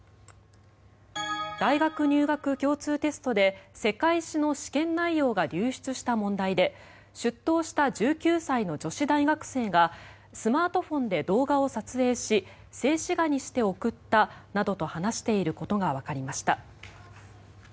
大学入学共通テストで世界史の試験内容が流出した問題で出頭した１９歳の女子大学生がスマートフォンで動画を撮影し静止画にして送ったなどと話していることがわかりました。